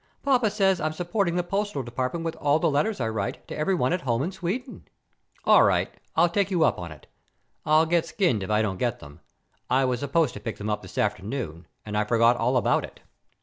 Papa says I'm supporting the postal department with all the letters I write to everyone at home in Sweden." "All right, I'll take you up on it. I'll get skinned if I don't get them. I was supposed to pick them up this afternoon and I forgot all about it."